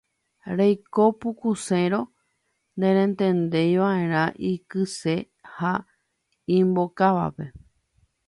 Reiko pukusérõ neretentaiva'erã ikyse ha imbokávape.